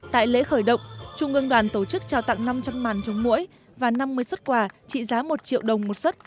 tại lễ khởi động trung ương đoàn tổ chức trao tặng năm trăm linh màn chống mũi và năm mươi xuất quà trị giá một triệu đồng một xuất